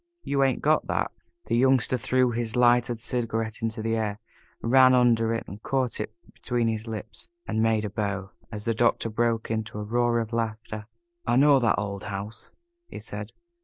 You ain't got that!" The Youngster threw his lighted cigarette into the air, ran under it, caught it between his lips, and made a bow, as the Doctor broke into a roar of laughter. "I know that old house," he said.